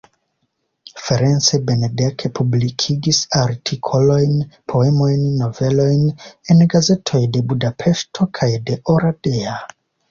Ferenc Benedek publikigis artikolojn, poemojn, novelojn en gazetoj de Budapeŝto kaj de Oradea.